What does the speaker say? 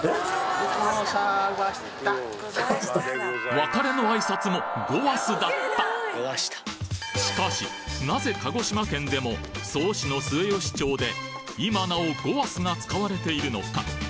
別れの挨拶も「ごわす」だったしかしなぜ鹿児島県でも曽於市の末吉町で今なお「ごわす」が使われているのか？